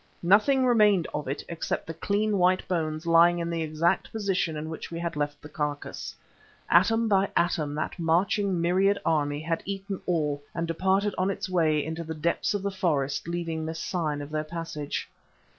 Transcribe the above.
Nothing remained of it except the clean, white bones lying in the exact position in which we had left the carcase. Atom by atom that marching myriad army had eaten all and departed on its way into the depths of the forest, leaving this sign of their passage.